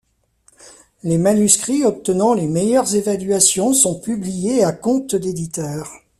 Les manuscrits obtenant les meilleures évaluations sont publiés à compte d'éditeur.